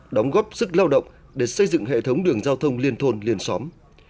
đóng góp sức lao động để xây dựng hệ thống đường giao thông liên thôn liên xóm